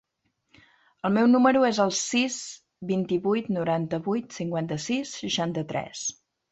El meu número es el sis, vint-i-vuit, noranta-vuit, cinquanta-sis, seixanta-tres.